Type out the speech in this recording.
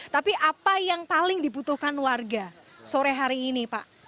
tapi apa yang paling dibutuhkan warga sore hari ini pak